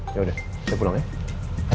yaudah saya pulang ya